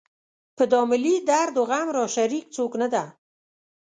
په دا ملي درد و غم راشریک څوک نه ده.